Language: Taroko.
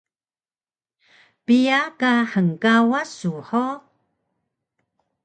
Piya ka hngkawas su hug?